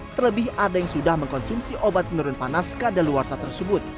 terlebih ada yang sudah mengkonsumsi obat penurun panas kadaluarsa tersebut